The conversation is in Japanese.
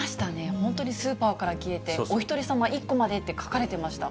本当にスーパーから消えて、お１人様１個までって書かれてました。